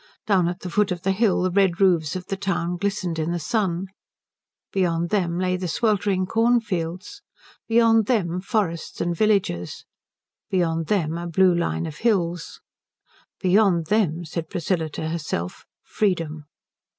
Down at the foot of the hill the red roofs of the town glistened in the sun. Beyond them lay the sweltering cornfields. Beyond them forests and villages. Beyond them a blue line of hills. Beyond them, said Priscilla to herself, freedom.